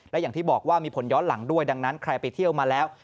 และอย่างที่บอกว่ามีผลย้อนหลังด้วยดังนั้นใครไปเที่ยวมาแล้ว